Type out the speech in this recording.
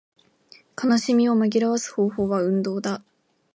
悲しみを紛らわす方法は運動だ